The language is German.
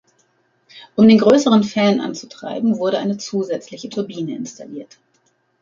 Um den größeren Fan anzutreiben, wurde eine zusätzliche Turbine installiert.